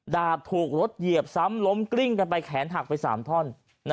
ดาบถูกรถเหยียบซ้ำล้มกลิ้งกันไปแขนหักไป๓ท่อน